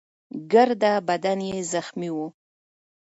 ګرده بدن يې زخمي وو.